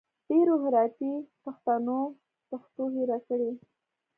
ډېرو هراتي پښتنو پښتو هېره کړي